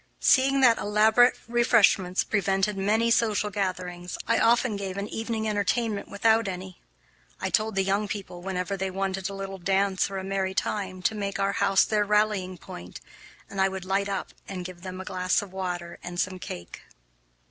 Seeing that elaborate refreshments prevented many social gatherings, I often gave an evening entertainment without any. I told the young people, whenever they wanted a little dance or a merry time, to make our house their rallying point, and I would light up and give them a glass of water and some cake.